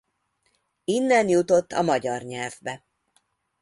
Innen jutott a magyar nyelvbe.